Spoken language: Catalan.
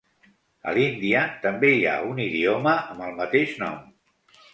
A l'Índia també hi ha un idioma amb el mateix nom.